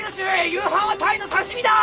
夕飯はタイの刺し身だ！